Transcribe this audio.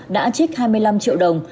đã trích hai mươi năm triệu đồng